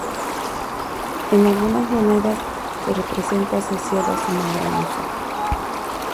En algunas monedas se representa asociado a su madre Musa.